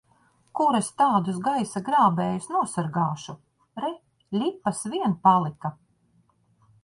Kur es tādus gaisa grābējus nosargāšu! Re, ļipas vien palika!